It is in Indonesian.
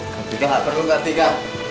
kak tika gak perlu kak tika